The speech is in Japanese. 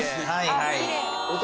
はいはい。